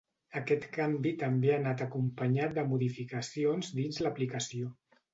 Aquest canvi també ha anat acompanyat de modificacions dins l’aplicació.